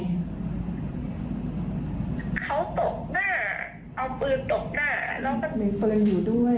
เขาตบหน้าเอาปืนตบหน้า